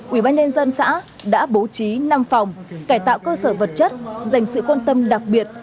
ubnd xã đã bố trí năm phòng cải tạo cơ sở vật chất dành sự quan tâm đặc biệt